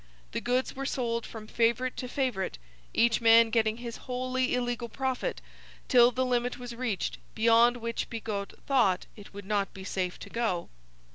The goods were sold from favourite to favourite, each man getting his wholly illegal profit, till the limit was reached beyond which Bigot thought it would not be safe to go.